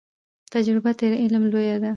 تجربه تر علم لویه ده.